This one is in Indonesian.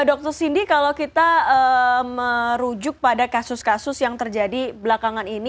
dokter cindy kalau kita merujuk pada kasus kasus yang terjadi belakangan ini